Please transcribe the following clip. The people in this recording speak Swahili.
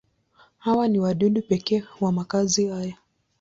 Hawa ni wadudu pekee wa makazi haya.